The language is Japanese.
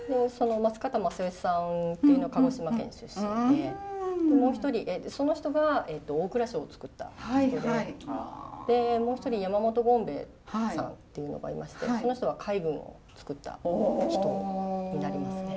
松方正義さんっていうのは鹿児島県出身でその人が大蔵省を作った人でもう一人山本権兵衛さんっていうのがいましてその人は海軍を作った人になりますね。